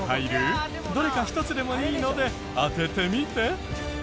どれか１つでもいいので当ててみて。